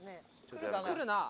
来るなぁ。